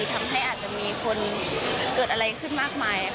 ทำให้อาจจะมีคนเกิดอะไรขึ้นมากมาย